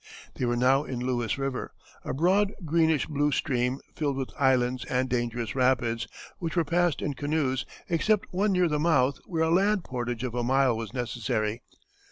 They were now in Lewis River, a broad greenish blue stream filled with islands and dangerous rapids, which were passed in canoes, except one near the mouth, where a land portage of a mile was necessary.